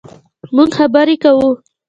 مونږ خبرې کوو